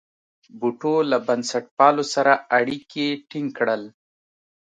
بوټو له بنسټپالو سره اړیکي ټینګ کړل.